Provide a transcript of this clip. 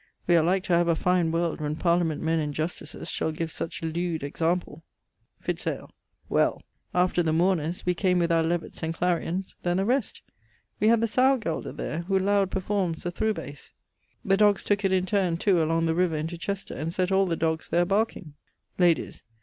We are like to have a fine world when Parliament men and Justices shall give such lewd example.... Fitz ale. Well! after the mourners, we came with our levetts and clarions. Then the rest. We had the sowgelder there, who loud performes the thorow base. The dogges tooke it in turne too along the river into Chester, and sett all the dogges there barkeing. _Ladies.